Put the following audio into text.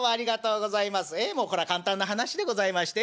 ええもうこら簡単な話でございまして